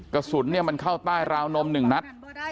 กระสุนเนี่ยมันเข้าใต้ราวนมหนึ่งนัด